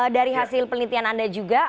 dari hasil penelitian anda juga